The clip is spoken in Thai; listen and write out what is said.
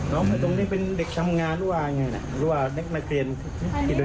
ใช่ครับผมอยู่ข้างหนูเมื่อมาด้วย